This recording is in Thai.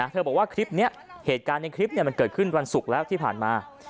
บอกว่าคลิปนี้เหตุการณ์ในคลิปมันเกิดขึ้นวันศุกร์แล้วที่ผ่านมา